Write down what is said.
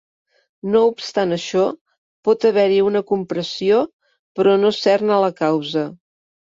No obstant això, pot haver-hi una compressió però no ser-ne la causa.